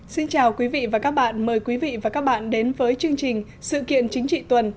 xin chào quý vị và các bạn mời quý vị và các bạn đến với chương trình sự kiện chính trị tuần